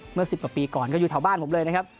เมื่อ๑๐กว่าปีก่อนก็อยู่แถวบ้านผมเลยนะครับ